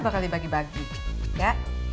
bakal dibagi bagi ya